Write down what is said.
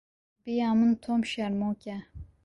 Bi ya min Tom şermok e.